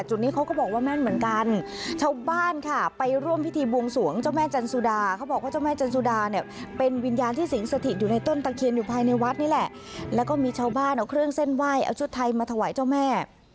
จุดนี้เขาก็บอกว่าแม่นเหมือนกัน